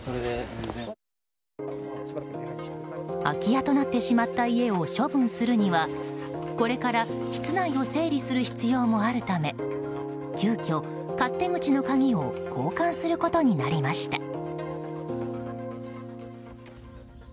空き家となってしまった家を処分するにはこれから室内を整理する必要もあるため急きょ、勝手口の鍵を交換することになりました。